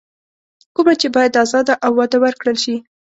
کومه چې بايد ازاده او وده ورکړل شي.